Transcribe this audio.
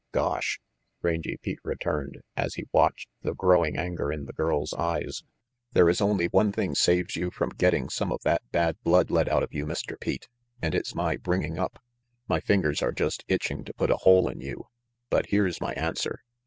" "Gosh!" Rangy Pete returned, as he watched the growing anger in the girl's eyes. "There is only one thing saves you from getting some of that bad blood let out of you, Mr. Pete, and it's my bringing up. My fingers are just itching to put a hole in you, but here's my answer.